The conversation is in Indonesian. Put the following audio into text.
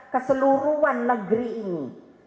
keseluruhan negeri ini